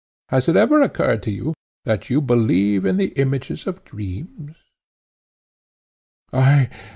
Has it ever occurred to you, that you believe in the images of dreams?" "I!"